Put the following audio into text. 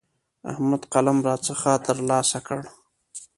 احمد قلم راڅخه تر لاسه کړ.